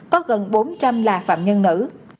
có gần bốn trăm linh là phạm nhân nữ